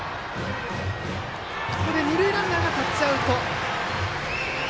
二塁ランナーがタッチアウト。